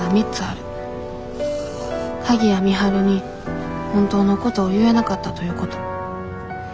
鍵谷美晴に本当のことを言えなかったということ。